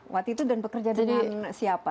waktu itu dan bekerja dengan siapa